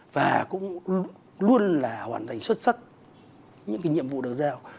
và cũng luôn là hoàn thành xuất sắc những cái nhiệm vụ được giao